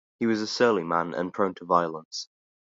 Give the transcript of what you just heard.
He was a surly man and prone to violence.